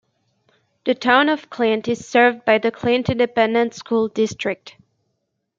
The Town of Clint is served by the Clint Independent School District.